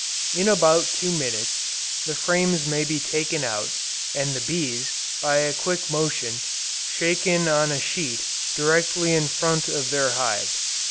In about two minutes, the frames may be taken out, and the bees, by a quick motion, shaken on a sheet directly in front of their hive.